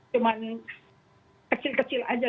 cuman kecil kecil aja